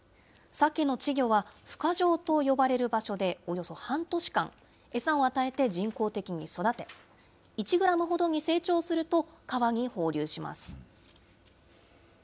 サケの稚魚は、ふ化場と呼ばれる場所でおよそ半年間、餌を与えて人工的に育て、１グラムほどに成長すると川に放流します。